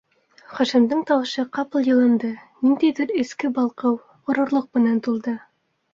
- Хашимдың тауышы ҡапыл йылынды, ниндәйҙер эске балҡыу, ғорурлыҡ менән тулды.